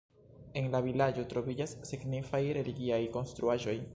En la vilaĝo troviĝas signifaj religiaj konstruaĵoj.